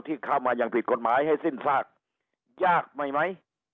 ที่เข้ามาอย่างผิดกฎหมายให้สิ้นซากยากไหม